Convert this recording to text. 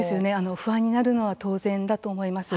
不安になるのは当然だと思います。